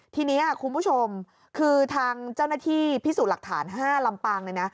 ทีนี้คุณผู้ชมคือทางเจ้าหน้าที่พิสูจน์หลักฐาน๕ลำปางเนี่ยนะ